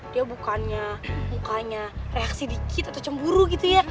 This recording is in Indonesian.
dia bukannya mukanya reaksi dikit atau cemburu gitu ya